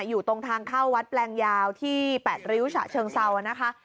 อยู่ตรงทางเข้าวัดแปลงยาวที่๘ริ้วฉะเชิงเซานะคะ